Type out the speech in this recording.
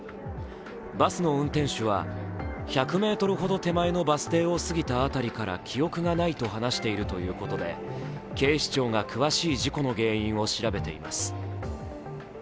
バスの運転手は、１００ｍほど手前のバス停を過ぎたあたりから記憶がないと話しているということで警視庁が詳しい事故の原因を調べています。